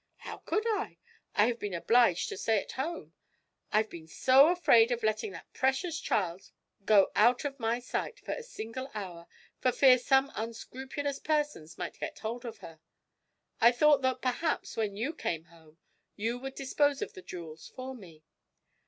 'How could I? I have been obliged to stay at home: I've been so afraid of letting that precious child go out of my sight for a single hour, for fear some unscrupulous persons might get hold of her. I thought that perhaps, when you came home, you would dispose of the jewels for me.'